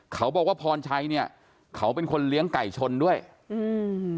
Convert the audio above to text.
เขาบอกว่าพรชัยเนี้ยเขาเป็นคนเลี้ยงไก่ชนด้วยอืม